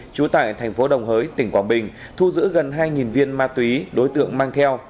trú tại thành phố đồng hới tỉnh quảng bình thu giữ gần hai viên ma túy đối tượng mang theo